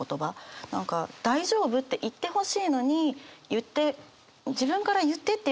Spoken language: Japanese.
何か大丈夫？って言ってほしいのに言って自分から言ってっていうのは違うんですよ。